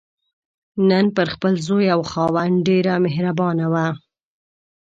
نن پر خپل زوی او خاوند ډېره مهربانه وه.